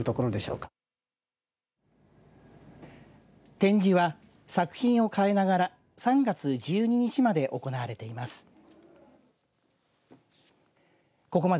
展示は作品を変えながら３月１２日まで行われています。